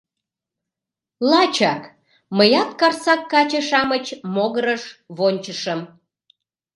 Лачак! — мыят Карсак каче-шамыч могырыш вончышым.